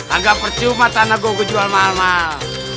agak percuma tanah gua kejual mahal mahal